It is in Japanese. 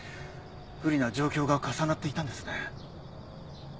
不利な状況が重なっていたんですね。